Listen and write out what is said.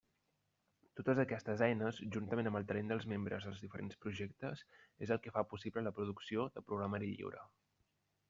Totes aquestes eines, juntament amb el talent dels membres dels diferents projectes, és el que fa possible la producció de programari lliure.